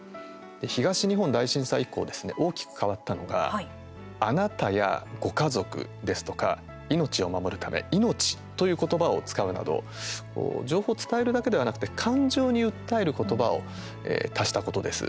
東日本大震災以降ですね大きく変わったのがあなたやご家族ですとか命を守るため命という言葉を使うなど情報を伝えるだけではなくて感情に訴える言葉を足したことです。